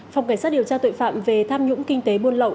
phòng cảnh sát điều tra tội phạm về tham nhũng kinh tế buôn lậu